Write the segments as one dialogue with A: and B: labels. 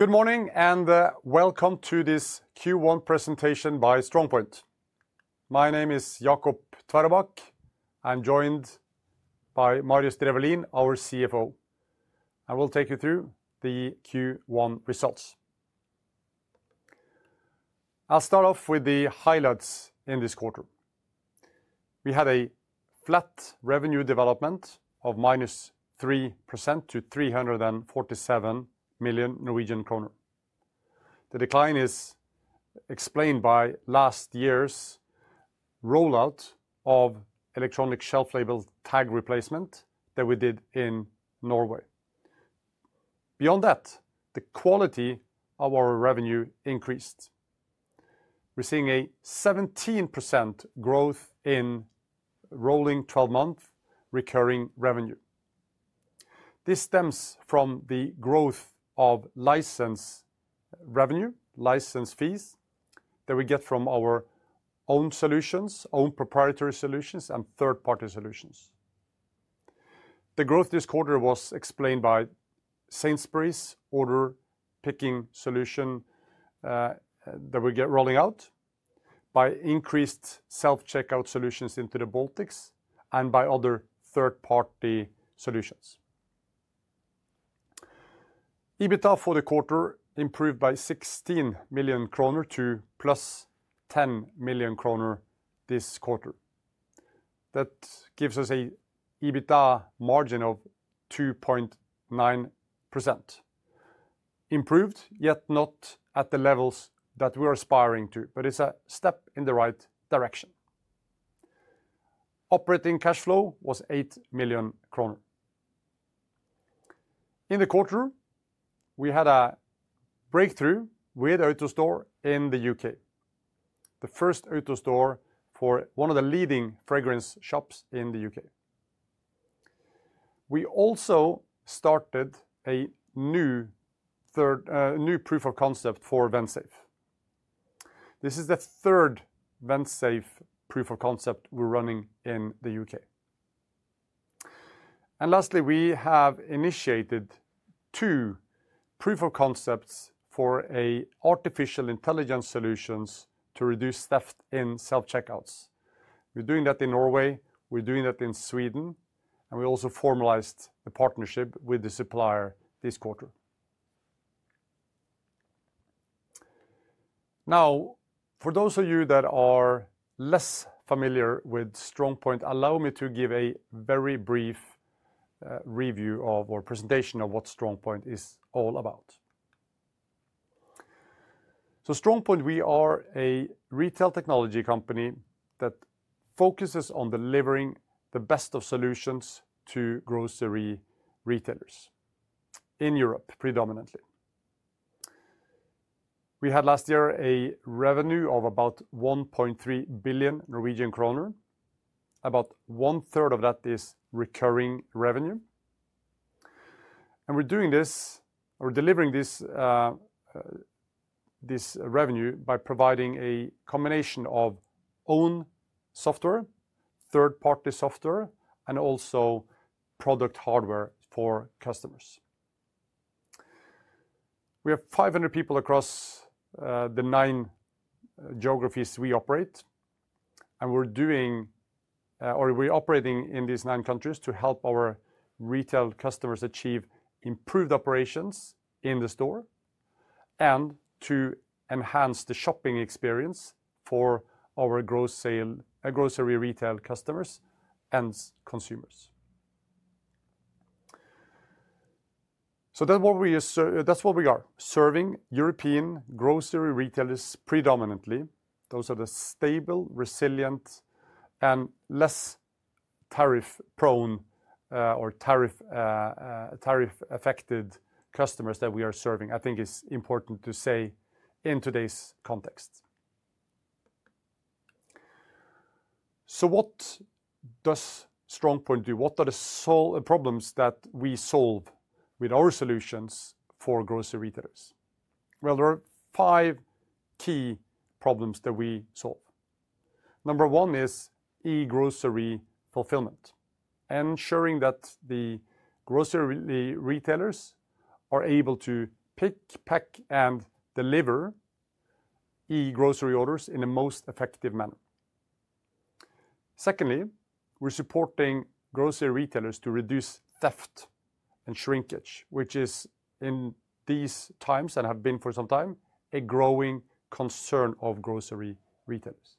A: Good morning and welcome to this Q1 presentation by StrongPoint. My name is Jacob Tveraabak, I'm joined by Marius Drefvelin, our CFO. I will take you through the Q1 results. I'll start off with the highlights in this quarter. We had a flat revenue development of -3% to 347 million Norwegian kroner. The decline is explained by last year's rollout of electronic shelf labels tag replacement that we did in Norway. Beyond that, the quality of our revenue increased. We're seeing a 17% growth in rolling 12-month recurring revenue. This stems from the growth of license revenue, license fees that we get from our own solutions, own proprietary solutions, and third-party solutions. The growth this quarter was explained by Sainsbury's order picking solution that we're rolling out, by increased self-checkout solutions into the Baltics, and by other third-party solutions. EBITDA for the quarter improved by 16 million kroner to plus 10 million kroner this quarter. That gives us an EBITDA margin of 2.9%. Improved, yet not at the levels that we are aspiring to, but it's a step in the right direction. Operating cash flow was 8 million kroner. In the quarter, we had a breakthrough with the AutoStore in the U.K., the first AutoStore for one of the leading fragrance shops in the U.K. We also started a new proof of concept for Vensafe. This is the third Vensafe proof of concept we're running in the U.K. Lastly, we have initiated two proof of concepts for artificial intelligence solutions to reduce theft in self-checkouts. We're doing that in Norway, we're doing that in Sweden, and we also formalized the partnership with the supplier this quarter. Now, for those of you that are less familiar with StrongPoint, allow me to give a very brief review of our presentation of what StrongPoint is all about. StrongPoint, we are a retail technology company that focuses on delivering the best of solutions to grocery retailers in Europe, predominantly. We had last year a revenue of about 1.3 billion Norwegian kroner. About one third of that is recurring revenue. We're doing this, or delivering this revenue by providing a combination of own software, third-party software, and also product hardware for customers. We have 500 people across the nine geographies we operate, and we're doing, or we're operating in these nine countries to help our retail customers achieve improved operations in the store and to enhance the shopping experience for our grocery retail customers and consumers. That's what we are, serving European grocery retailers predominantly. Those are the stable, resilient, and less tariff-prone or tariff-affected customers that we are serving, I think is important to say in today's context. What does StrongPoint do? What are the problems that we solve with our solutions for grocery retailers? There are five key problems that we solve. Number one is eGrocery fulfillment, ensuring that the grocery retailers are able to pick, pack, and deliver eGrocery orders in the most effective manner. Secondly, we're supporting grocery retailers to reduce theft and shrinkage, which is in these times and have been for some time a growing concern of grocery retailers.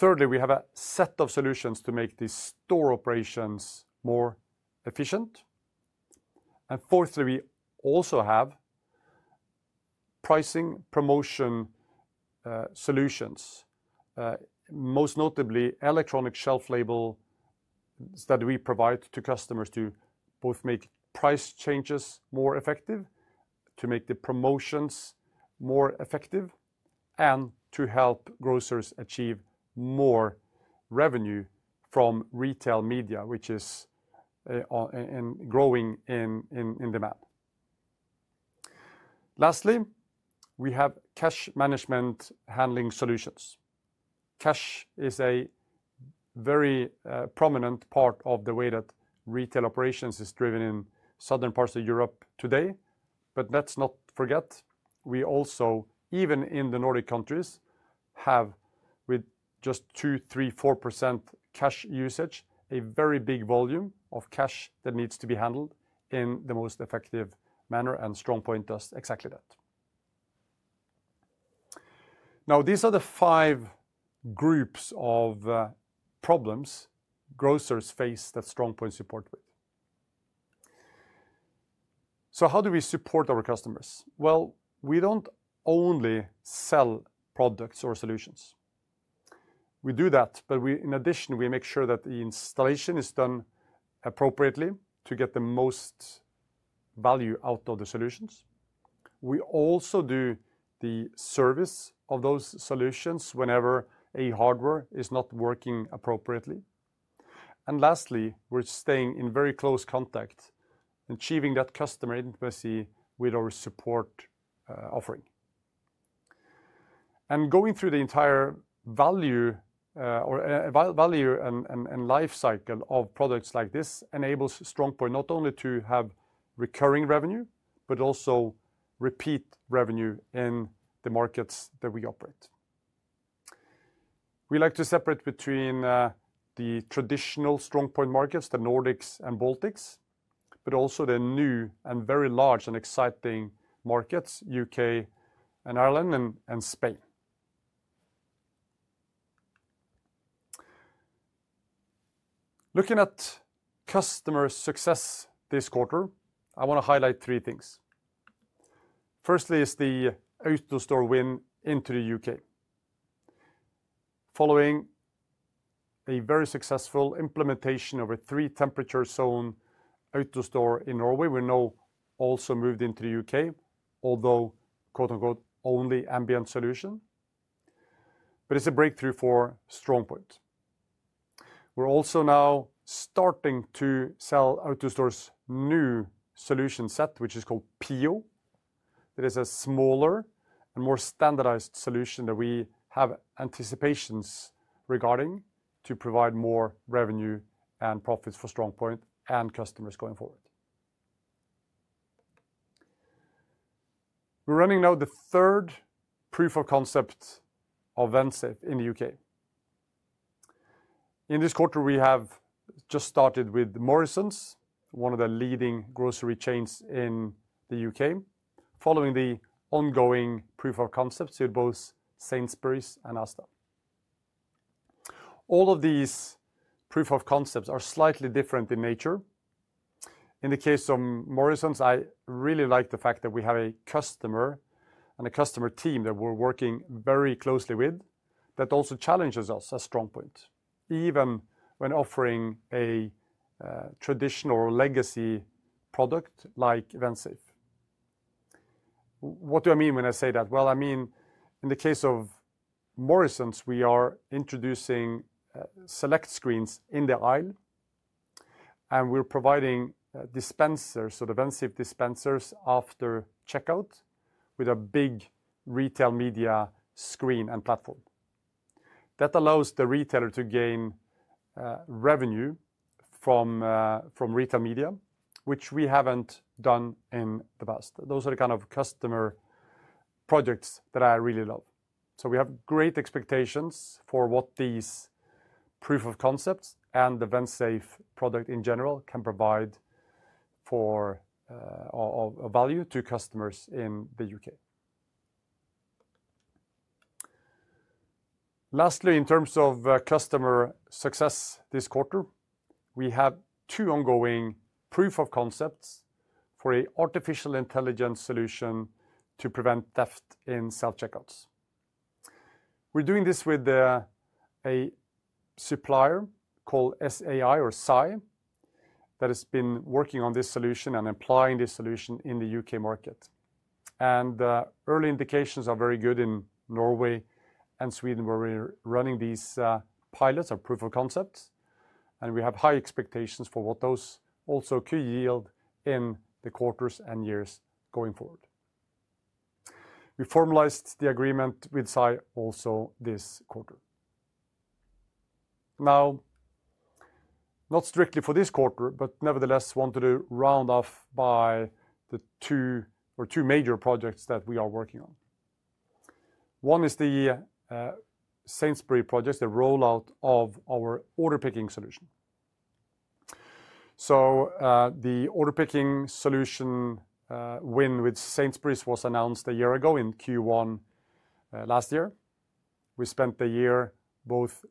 A: Thirdly, we have a set of solutions to make these store operations more efficient. Fourthly, we also have pricing promotion solutions, most notably electronic shelf labels that we provide to customers to both make price changes more effective, to make the promotions more effective, and to help grocers achieve more revenue from retail media, which is growing in demand. Lastly, we have cash management handling solutions. Cash is a very prominent part of the way that retail operations is driven in southern parts of Europe today. Let's not forget, we also, even in the Nordic countries, have with just 2%, 3%, 4% cash usage, a very big volume of cash that needs to be handled in the most effective manner, and StrongPoint does exactly that. Now, these are the five groups of problems grocers face that StrongPoint support with. How do we support our customers? We don't only sell products or solutions. We do that, but in addition, we make sure that the installation is done appropriately to get the most value out of the solutions. We also do the service of those solutions whenever a hardware is not working appropriately. Lastly, we're staying in very close contact, achieving that customer intimacy with our support offering. Going through the entire value or value and lifecycle of products like this enables StrongPoint not only to have recurring revenue, but also repeat revenue in the markets that we operate. We like to separate between the traditional StrongPoint markets, the Nordics and Baltics, but also the new and very large and exciting markets, U.K. and Ireland and Spain. Looking at customer success this quarter, I want to highlight three things. Firstly is the outdoor store win into the U.K. Following a very successful implementation of a three-temperature zone outdoor store in Norway, we're now also moved into the U.K., although only ambient solution. It is a breakthrough for StrongPoint. We're also now starting to sell outdoor store's new solution set, which is called Pio. That is a smaller and more standardized solution that we have anticipations regarding to provide more revenue and profits for StrongPoint and customers going forward. We're running now the third proof of concept of Vensafe in the U.K. In this quarter, we have just started with Morrisons, one of the leading grocery chains in the U.K., following the ongoing proof of concepts at both Sainsbury's and ASDA. All of these proof of concepts are slightly different in nature. In the case of Morrisons, I really like the fact that we have a customer and a customer team that we're working very closely with that also challenges us as StrongPoint, even when offering a traditional or legacy product like Vensafe. What do I mean when I say that? I mean, in the case of Morrisons, we are introducing select screens in the aisle, and we're providing dispensers, so the Vensafe dispensers after checkout with a big retail media screen and platform. That allows the retailer to gain revenue from retail media, which we haven't done in the past. Those are the kind of customer projects that I really love. We have great expectations for what these proof of concepts and the Vensafe product in general can provide for value to customers in the U.K. Lastly, in terms of customer success this quarter, we have two ongoing proof of concepts for an artificial intelligence solution to prevent theft in self-checkouts. We're doing this with a supplier called SAI that has been working on this solution and applying this solution in the U.K. market. Early indications are very good in Norway and Sweden where we're running these pilots or proof of concepts, and we have high expectations for what those also could yield in the quarters and years going forward. We formalized the agreement with SAI also this quarter. Now, not strictly for this quarter, but nevertheless, I want to round off by the two major projects that we are working on. One is the Sainsbury's project, the rollout of our order picking solution. The order picking solution win with Sainsbury's was announced a year ago in Q1 last year. We spent the year both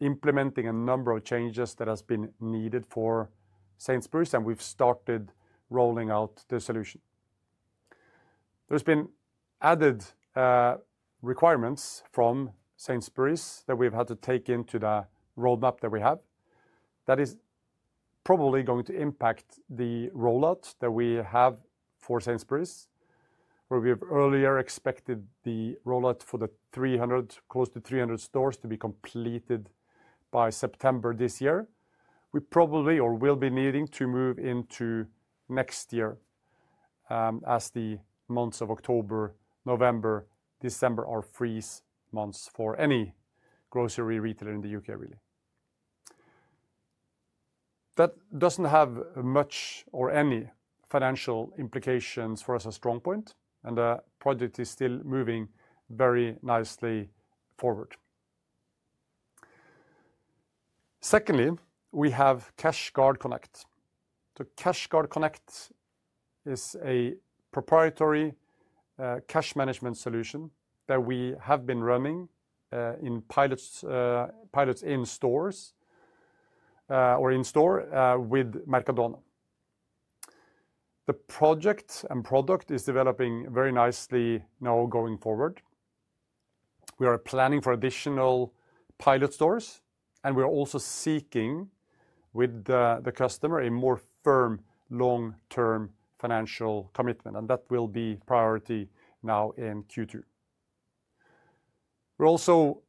A: implementing a number of changes that have been needed for Sainsbury's, and we've started rolling out the solution. There's been added requirements from Sainsbury's that we've had to take into the roadmap that we have. That is probably going to impact the rollout that we have for Sainsbury's, where we have earlier expected the rollout for the 300, close to 300 stores to be completed by September this year. We probably or will be needing to move into next year as the months of October, November, December are freeze months for any grocery retailer in the U.K., really. That doesn't have much or any financial implications for us at StrongPoint, and the project is still moving very nicely forward. Secondly, we have CashGuard Connect. CashGuard Connect is a proprietary cash management solution that we have been running in pilots in stores or in store with Mercadona. The project and product is developing very nicely now going forward. We are planning for additional pilot stores, and we are also seeking with the customer a more firm long-term financial commitment, and that will be priority now in Q2. We're also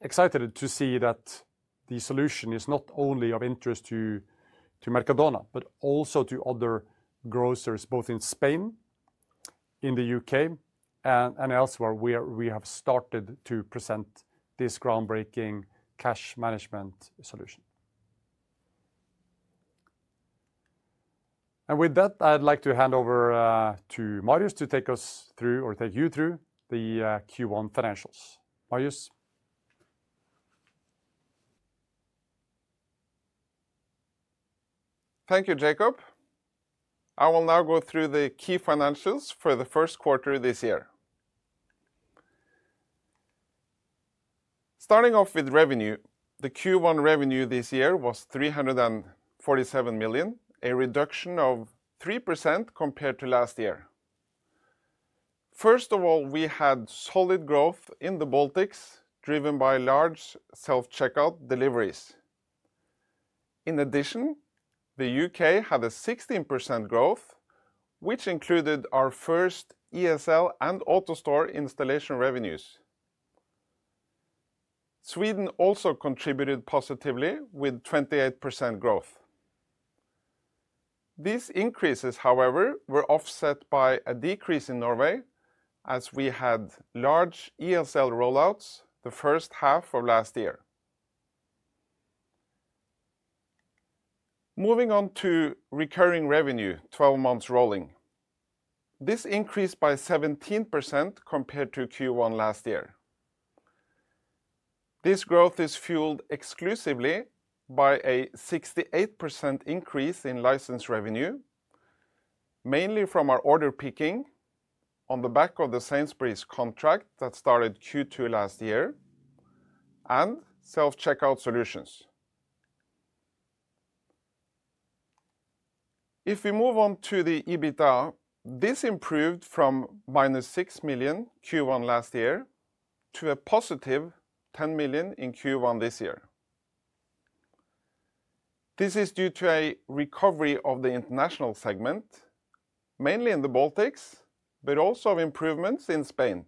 A: excited to see that the solution is not only of interest to Mercadona, but also to other grocers, both in Spain, in the U.K., and elsewhere where we have started to present this groundbreaking cash management solution. With that, I'd like to hand over to Marius to take us through or take you through the Q1 financials. Marius.
B: Thank you, Jacob. I will now go through the key financials for the first quarter this year. Starting off with revenue, the Q1 revenue this year was 347 million, a reduction of 3% compared to last year. First of all, we had solid growth in the Baltics driven by large self-checkout deliveries. In addition, the U.K. had a 16% growth, which included our first ESL and AutoStore installation revenues. Sweden also contributed positively with 28% growth. These increases, however, were offset by a decrease in Norway as we had large ESL rollouts the first half of last year. Moving on to recurring revenue, 12 months rolling. This increased by 17% compared to Q1 last year. This growth is fueled exclusively by a 68% increase in license revenue, mainly from our order picking on the back of the Sainsbury's contract that started Q2 last year and self-checkout solutions. If we move on to the EBITDA, this improved from minus 6 million in Q1 last year to a positive 10 million in Q1 this year. This is due to a recovery of the international segment, mainly in the Baltics, but also improvements in Spain.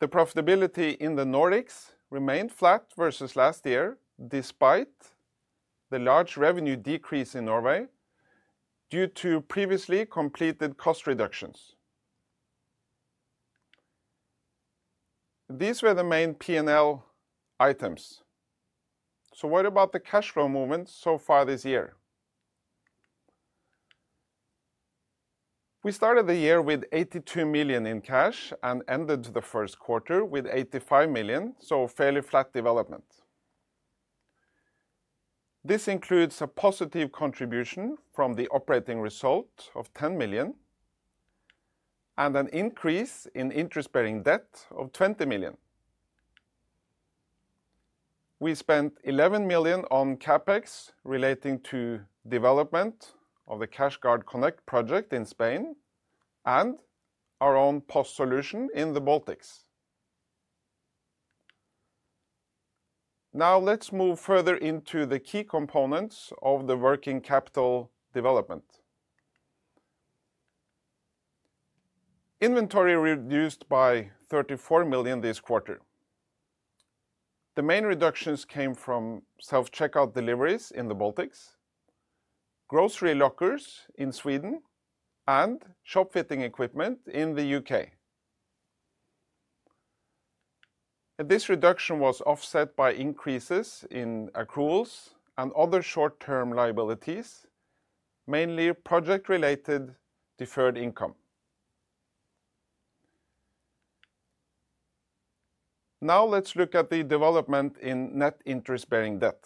B: The profitability in the Nordics remained flat versus last year despite the large revenue decrease in Norway due to previously completed cost reductions. These were the main P&L items. What about the cash flow movement so far this year? We started the year with 82 million in cash and ended the first quarter with 85 million, so a fairly flat development. This includes a positive contribution from the operating result of 10 million and an increase in interest-bearing debt of 20 million. We spent 11 million on CapEx relating to development of the CashGuard Connect project in Spain and our own POS solution in the Baltics. Now let's move further into the key components of the working capital development. Inventory reduced by 34 million this quarter. The main reductions came from self-checkout deliveries in the Baltics, grocery lockers in Sweden, and shop fitting equipment in the U.K. This reduction was offset by increases in accruals and other short-term liabilities, mainly project-related deferred income. Now let's look at the development in net interest-bearing debt.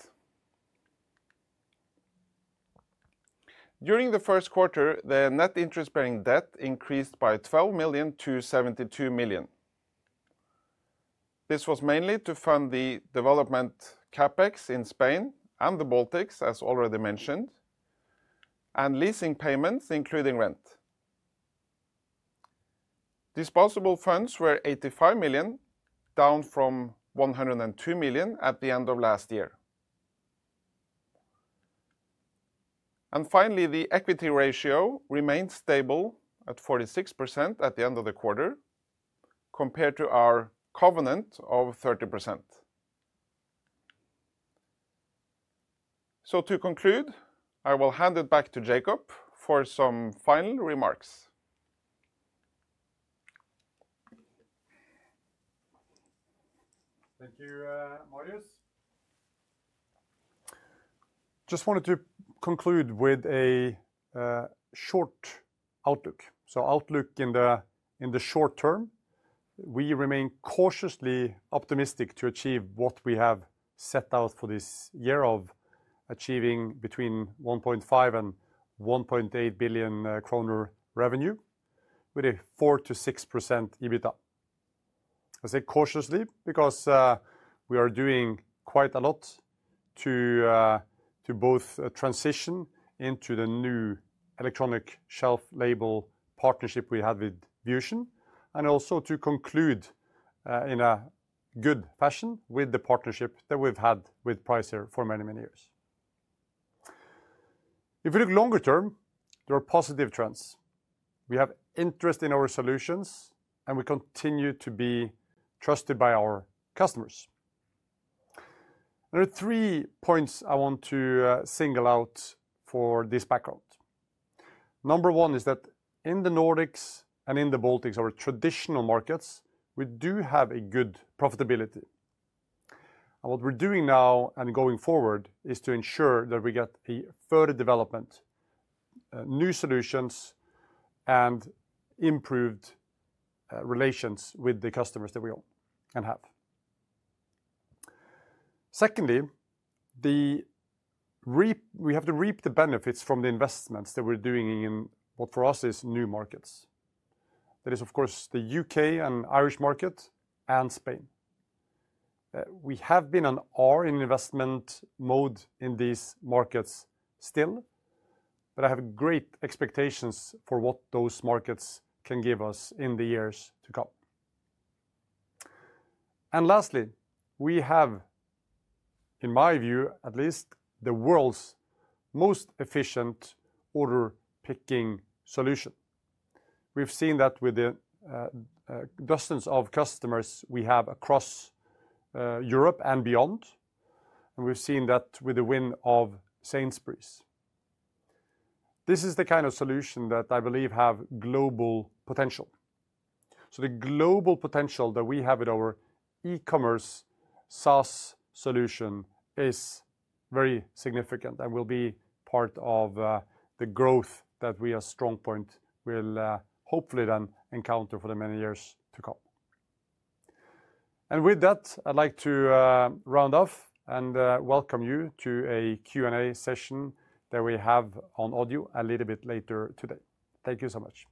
B: During the first quarter, the net interest-bearing debt increased by 12 million-72 million. This was mainly to fund the development CapEx in Spain and the Baltics, as already mentioned, and leasing payments, including rent. Disposable funds were 85 million, down from 102 million at the end of last year. Finally, the equity ratio remained stable at 46% at the end of the quarter compared to our covenant of 30%. To conclude, I will hand it back to Jacob for some final remarks.
A: Thank you, Marius. Just wanted to conclude with a short outlook. Outlook in the short term, we remain cautiously optimistic to achieve what we have set out for this year of achieving between 1.5 billion and 1.8 billion kroner revenue with a 4%-6% EBITDA. I say cautiously because we are doing quite a lot to both transition into the new electronic shelf label partnership we have with Vusion, and also to conclude in a good fashion with the partnership that we've had with Pricer for many, many years. If we look longer term, there are positive trends. We have interest in our solutions, and we continue to be trusted by our customers. There are three points I want to single out for this background. Number one is that in the Nordics and in the Baltics, our traditional markets, we do have a good profitability. What we're doing now and going forward is to ensure that we get a further development, new solutions, and improved relations with the customers that we can have. Secondly, we have to reap the benefits from the investments that we're doing in what for us is new markets. That is, of course, the U.K. and Irish market and Spain. We have been in investment mode in these markets still, but I have great expectations for what those markets can give us in the years to come. Lastly, we have, in my view, at least the world's most efficient order picking solution. We've seen that with the dozens of customers we have across Europe and beyond, and we've seen that with the win of Sainsbury's. This is the kind of solution that I believe has global potential. The global potential that we have with our E-Commerce SaaS solution is very significant and will be part of the growth that we as StrongPoint will hopefully then encounter for the many years to come. With that, I'd like to round off and welcome you to a Q&A session that we have on audio a little bit later today. Thank you so much.